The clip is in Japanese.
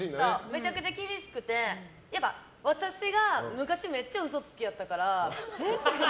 めちゃくちゃ厳しくて私が昔めっちゃ嘘つきやったから。